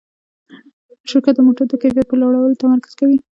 شرکت د موټرو د کیفیت په لوړولو تمرکز کوي.